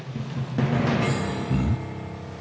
うん？